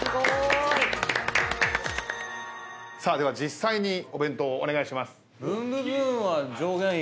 さあでは実際にお弁当お願いします。